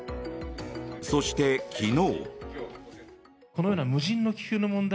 そして、昨日。